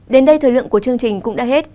đến đây thời lượng của chương trình cũng đã hết